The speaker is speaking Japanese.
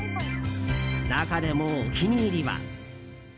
中でもお気に入りは。